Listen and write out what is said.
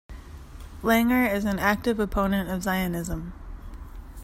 Langer is an active opponent of Zionism.